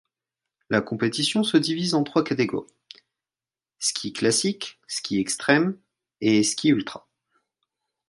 La compétition se divise en trois catégories: Sky Classic, Sky Extreme et Sky Ultra.